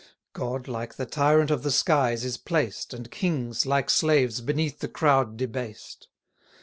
God, like the tyrant of the skies, is placed, And kings, like slaves, beneath the crowd debased.